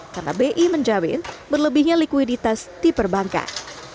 karena bi menjamin berlebihnya likuiditas di perbankan